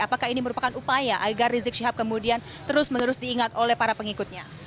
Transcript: apakah ini merupakan upaya agar rizik syihab kemudian terus menerus diingat oleh para pengikutnya